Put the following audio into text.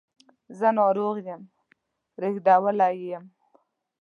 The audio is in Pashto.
زه ناروغ یم ریږدولی یې یم